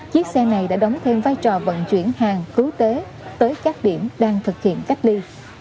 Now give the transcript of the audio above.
chiếc xe này đã đóng thêm vai trò vận chuyển hàng cứu tế tới các điểm đang thực hiện cách ly